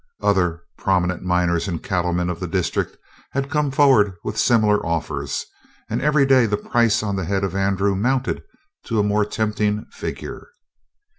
Other prominent miners and cattlemen of the district had come forward with similar offers, and every day the price on the head of Andrew mounted to a more tempting figure.